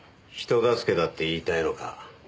人助けだって言いたいのか。